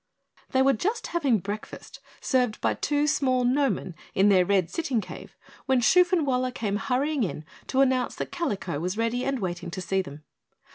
They were just having breakfast, served by two small gnomen in their red sitting cave, when Shoofenwaller came hurrying in to announce that Kalico was ready and waiting to see them.